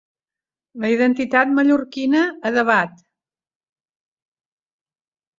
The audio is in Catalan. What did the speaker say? La identitat mallorquina a debat.